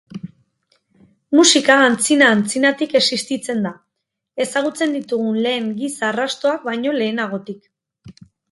Musika antzina-antzinatik existitzen da, ezagutzen ditugun lehen giza-arrastoak baino lehenagotik.